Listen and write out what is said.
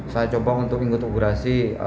saya coba untuk mengutuburasi